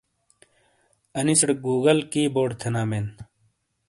اَنِیسٹے گوگل کی بورڑ تھینا بین۔